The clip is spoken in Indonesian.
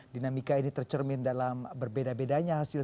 dinamika ini tercermin dalam berbeda bedanya hasil